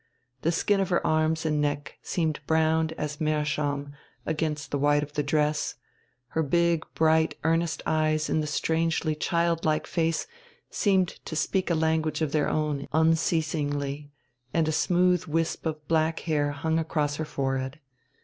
The skin of her arms and neck seemed brown as meerschaum against the white of the dress; her big, bright, earnest eyes in the strangely childlike face seemed to speak a language of their own unceasingly, and a smooth wisp of black hair hung across her forehead.